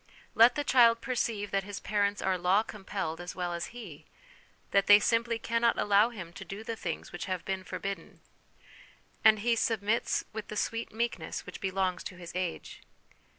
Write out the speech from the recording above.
Let the child perceive that his parents are law compelled as well as he, that they simply cannot allow him to do the things which have been forbidden, and he submits with the sweet meekness which belongs to his age.